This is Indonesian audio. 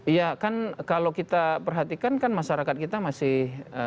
iya kan kalau kita perhatikan kan masyarakat kita masih